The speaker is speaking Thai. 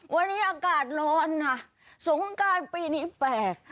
วันนี้อากาศร้อนนะสงการปีนี้แปลก